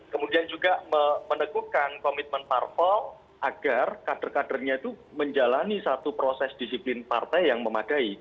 kemudian juga menegukkan komitmen parpol agar kader kadernya itu menjalani satu proses disiplin partai yang memadai